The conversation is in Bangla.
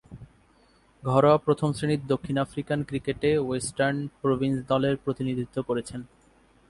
ঘরোয়া প্রথম-শ্রেণীর দক্ষিণ আফ্রিকান ক্রিকেটে ওয়েস্টার্ন প্রভিন্স দলের প্রতিনিধিত্ব করেছেন।